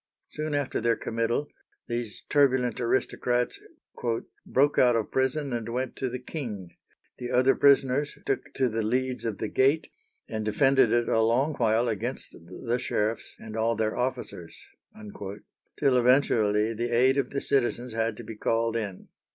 Soon after their committal these turbulent aristocrats "broke out of prison and went to the king; the other prisoners took to the leads of the gate, and defended it a long while against the sheriffs and all their officers," till eventually the aid of the citizens had to be called in.